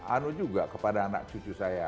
anu juga kepada anak cucu saya